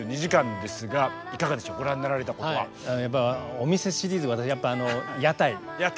お店シリーズ私やっぱ屋台。屋台。